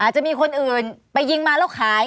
จะมีคนอื่นไปยิงมาแล้วขาย